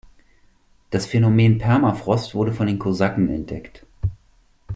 Das Phänomen "Permafrost" wurde von den Kosaken entdeckt.